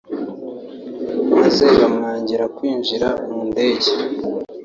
maze bamwangira kwinjira mu ndege